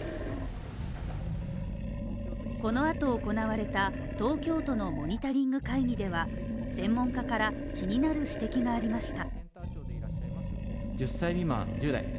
このあと行われた東京都のモニタリング会議では専門家から気になる指摘がありました。